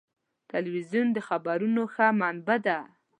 تلویزیون د خبرونو ښه منبع ده.